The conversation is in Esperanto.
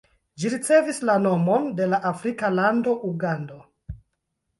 Ĝi ricevis la nomon de la afrika lando Ugando.